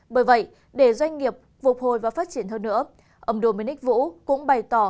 bởi vậy để doanh nghiệp phục hồi và phát triển hơn nữa ông dominic vũ cũng bày tỏ